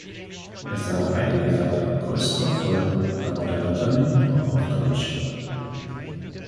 Er sang einige seiner größten Erfolge, darunter "Nathalie", auch auf Deutsch.